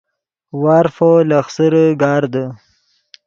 وارفو لخسرے گاردے